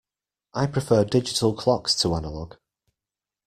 I prefer digital clocks to analog.